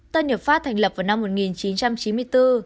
tân hiệp pháp thành lập vào năm một nghìn chín trăm chín mươi bốn